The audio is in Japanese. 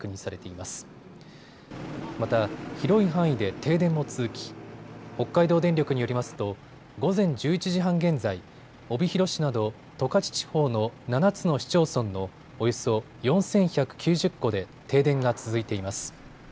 また広い範囲で停電も続き北海道電力によりますと午前１１時半現在、帯広市など十勝地方の７つの市町村のおよそ４１９０戸で停電が続いています。